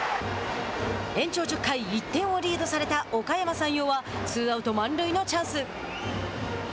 延長１０回１点をリードされたおかやま山陽はツーアウト、満塁のチャンス。